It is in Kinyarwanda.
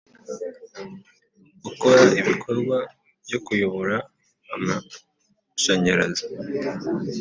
Ukora ibikorwa byo kuyobora amashanyarazi